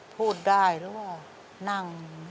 พูดได้หรือว่านั่ง